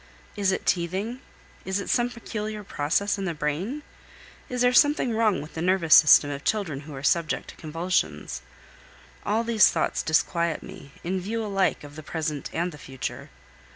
Is it teething? Is it some peculiar process in the brain? Is there something wrong with the nervous system of children who are subject to convulsions? All these thoughts disquiet me, in view alike of the present and the future.